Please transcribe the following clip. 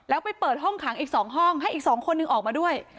แล้วไปเปิดห้องขังอีก๒ห้องให้อีก๒คนหนึ่งออกมาด้วย